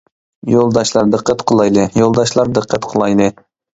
— يولداشلار، دىققەت قىلايلى، يولداشلار، دىققەت قىلايلى!